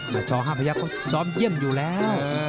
ศอกห้าพระยักษ์ก็ซ้อมเยี่ยมอยู่แล้ว